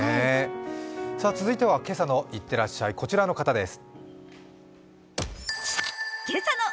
続いては今朝の「いってらっしゃい」、こちらの方です。